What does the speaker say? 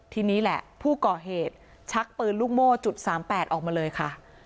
ทีนี้แหละผู้ก่อเหตุชักปืนลูกโม่จุด๓๘ออกมาเลยค่ะ